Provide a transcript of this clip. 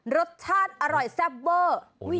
รสชาติอร่อยแซ่บเวอร์